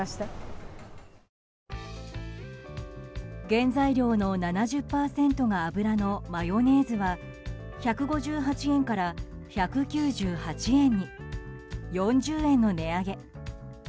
原材料の７０％が油のマヨネーズは１５８円から１９８円に４０円の値上げ。